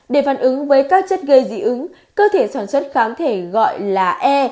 để phản ứng với các chất gây dị ứng cơ thể sản xuất kháng thể gọi là e